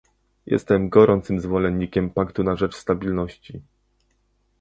Jestem gorącym zwolennikiem paktu na rzecz stabilności